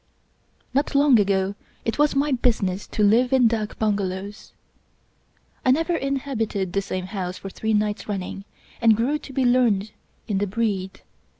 Not long ago it was my business to live in dak bungalows. ID Rudyard Kipling I never inhabited the same house for three nights running, and grew to be learned in the breed.